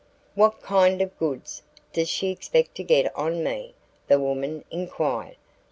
"What kind of 'goods' does she expect to get on me?" the woman inquired.